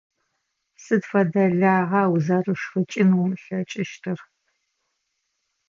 Сыд фэдэ лагъа узэрышхыкӀын умылъэкӀыщтыр?